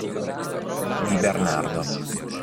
Di Bernardo